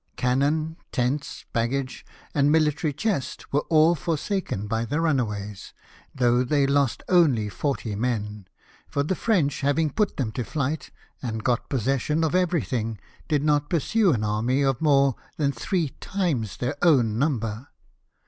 Cannon, tents, baggage, and military chest, were all forsaken by the runaways, though they lost only forty men ; for the French, having put them to flight, and got possession of everythmg, did not pursue an army of more than three times their own number.